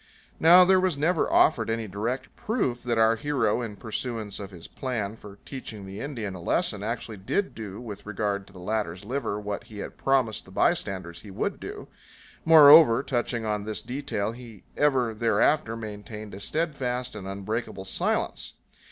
Now there was never offered any direct proof that our hero, in pursuance of his plan for teaching the Indian a lesson, actually did do with regard to the latter's liver what he had promised the bystanders he would do; moreover, touching on this detail he ever thereafter maintained a steadfast and unbreakable silence.